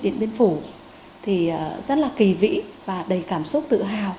tiến sĩ tịch thì rất là kì vĩ và đầy cảm xúc tự hào